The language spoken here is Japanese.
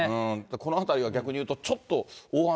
このあたりは逆にいうと、ちょっと大雨。